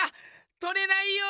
とれないよ！